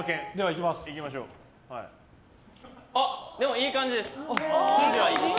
いい感じです。